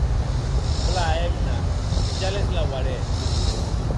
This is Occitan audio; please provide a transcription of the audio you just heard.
Plan, hemna, que ja les lauarè.